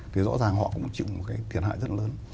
thì rõ ràng họ cũng chịu một cái thiệt hại rất lớn